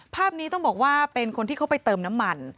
ภาพนี้ต้องบอกว่าเป็นคนที่เขาไปเติมน้ำมัน